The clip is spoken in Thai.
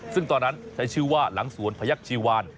ซึ่งตอนนั้นใช้ชื่อว่าหลังสวนพยักษีวาน